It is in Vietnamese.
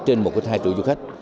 trên một hai triệu du khách